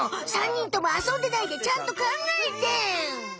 ３にんともあそんでないでちゃんと考えて！